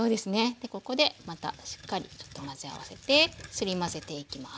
でここでまたしっかりちょっと混ぜ合わせてすり混ぜていきます。